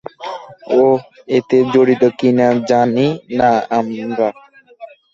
ও এতে জড়িত কি না, জানি না আমরা।